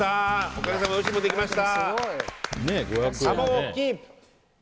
おかげさまでおいしいものできました！